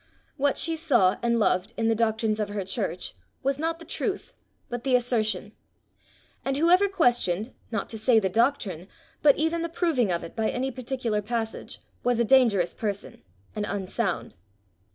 What she saw and loved in the doctrines of her church was not the truth, but the assertion; and whoever questioned, not to say the doctrine, but even the proving of it by any particular passage, was a dangerous person, and unsound.